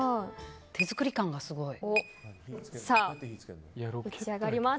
手作り感がすごい。